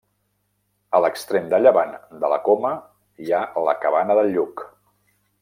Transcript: A l'extrem de llevant de la Coma hi ha la Cabana del Lluc.